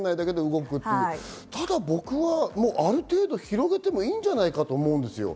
ただ僕はある程度広げてもいいんじゃないかと思うんですよ。